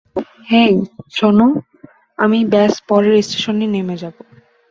হেই, শোনো, আমি ব্যস পরের স্টেশনেই নেমে যাবো।